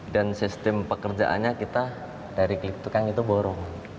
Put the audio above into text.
dan sistem pekerjaannya kita dari klik tukang itu borong